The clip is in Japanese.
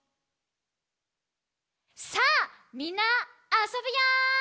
さあみんなあそぶよ！